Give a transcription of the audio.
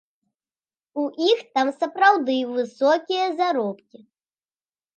У іх там сапраўды высокія заробкі.